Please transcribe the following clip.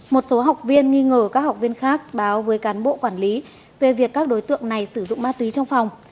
một số học viên nghi ngờ các học viên khác báo với cán bộ quản lý về việc các đối tượng này sử dụng ma túy trong phòng